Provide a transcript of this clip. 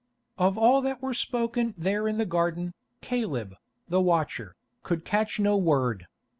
Of all that were spoken there in the garden, Caleb, the watcher, could catch no word.